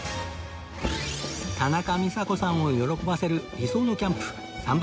田中美佐子さんを喜ばせる理想のキャンプ３番勝負